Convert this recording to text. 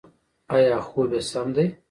ایا خوب یې سم دی؟